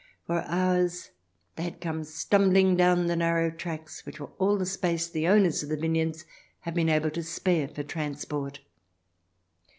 For hours they had come stumbling down the narrow tracks which were all the space the owners of the vineyards had been able to spare for transport.